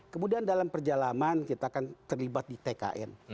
kemudian dalam perjalanan kita kan terlibat di tkn